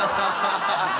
ハハハハ！